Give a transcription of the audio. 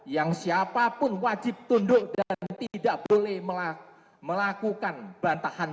yang siapapun wajib tunduk dan tidak boleh melakukan bantahan